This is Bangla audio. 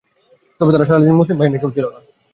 তবে তারা মুসলিম বাহিনীর কেউ ছিল না।